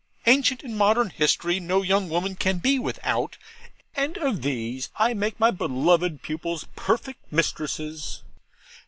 Ancient and Modern History no young woman can be without; and of these I make my beloved pupils PERFECT MISTRESSES.